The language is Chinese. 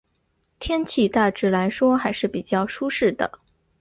天气大致来说还是比较舒适的。